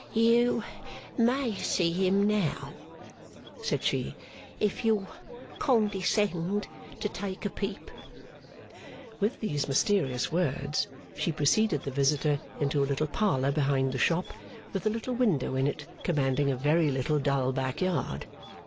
'You may see him now,' said she, 'if you'll condescend to take a peep.' With these mysterious words, she preceded the visitor into a little parlour behind the shop, with a little window in it commanding a very little dull back yard.